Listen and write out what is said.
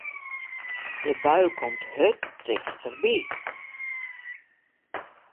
De bui komt hurd tichterby.